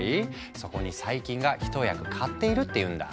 そこに細菌が一役買っているっていうんだ。